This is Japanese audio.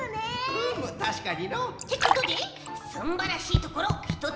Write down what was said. うむたしかにの。ってことですんばらしいところひとつめは。